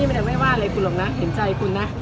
ไม่ได้ไม่ว่าอะไรคุณหรอกนะเห็นใจคุณนะ